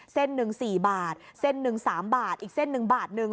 เส้นหนึ่งสี่บาทเส้นหนึ่ง๓บาทอีกเส้นหนึ่งบาทหนึ่ง